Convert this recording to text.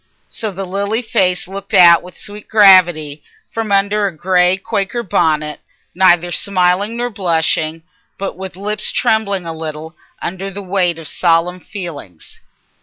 So the lily face looked out with sweet gravity from under a grey Quaker bonnet, neither smiling nor blushing, but with lips trembling a little under the weight of solemn feelings.